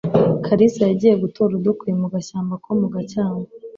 kalisa yagiye gutora udukwi mu gashyamba ko mu gacyamo